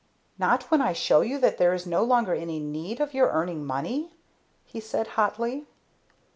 Not when I show you that there is no longer any need of your earning money?" he said hotly.